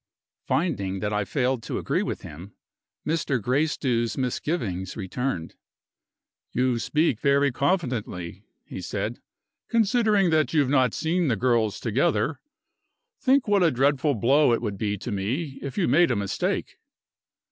Finding that I failed to agree with him, Mr. Gracedieu's misgivings returned. "You speak very confidently," he said, "considering that you have not seen the girls together. Think what a dreadful blow it would be to me if you made a mistake."